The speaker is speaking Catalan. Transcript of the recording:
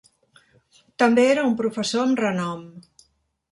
També era un professor amb renom.